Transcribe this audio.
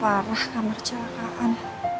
parah kamar celakaan